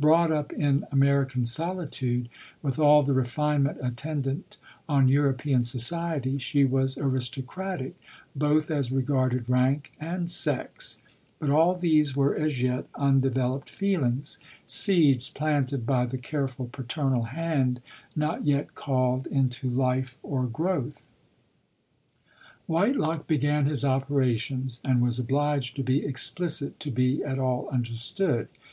Brought up in American solitude, with all the refinement attendant on European so cietv, she was aristocratic, both as regarded rank and sex ; but all these were as yet undeveloped feelings — seeds planted by the careful paternal hand, not yet called into life or growth. Whitelock began his operations, and was obliged to be explicit to be at all understood.